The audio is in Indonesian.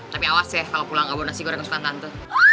tapi awas ya kalau pulang nggak beli nasi goreng kesuruhan tante